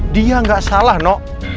dia gak salah no